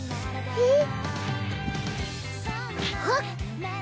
えっ？